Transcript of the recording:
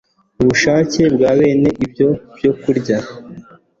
ubushake bwa bene ibyo byokurya